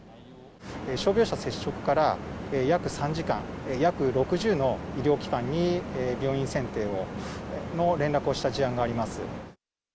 傷病者接触から約３時間、約６０の医療機関に病院選定の連絡をした事案があります。